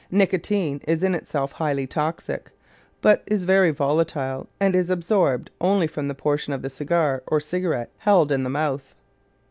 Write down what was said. Nicotine is in itself highly toxic, but is very volatile and is absorbed only from the portion of the cigar or cigarette held in the mouth.